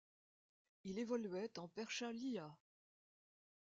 Il évoluait en Persha Liha.